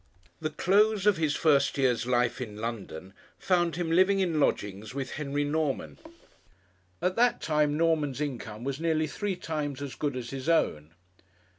The close of his first year's life in London found him living in lodgings with Henry Norman. At that time Norman's income was nearly three times as good as his own.